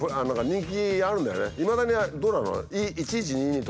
いまだにどうなの？